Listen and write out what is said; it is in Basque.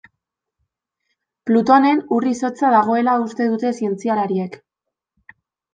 Plutonen ur-izotza dagoela uste dute zientzialariek.